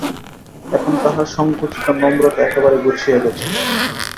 এখন তাহার সংকুচিত নম্রতা একেবারে ঘুচিয়া গেছে।